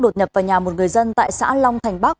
đột nhập vào nhà một người dân tại xã long thành bắc